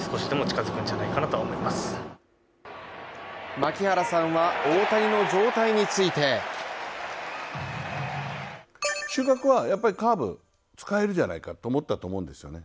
槙原さんは大谷の状態について収穫はカーブ使えるじゃないかと思ったと思うんですよね。